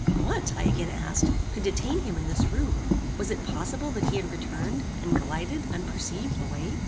What, I again asked, could detain him in this room? Was it possible that he had returned, and glided, unperceived, away?